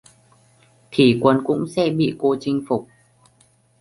Thì quân cũng sẽ bị cô chinh phục